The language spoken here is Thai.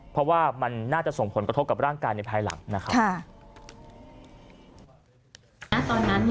เพราะว่ามันน่าจะส่งผลกระทบกับร่างกายในภายหลังนะครับ